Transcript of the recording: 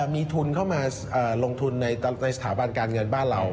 มีทุนเข้ามาลงทุนในสถาบันการเงินบ้านเรา